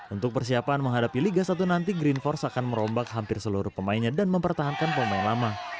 untuk persiapan menghadapi liga satu nanti green force akan merombak hampir seluruh pemainnya dan mempertahankan pemain lama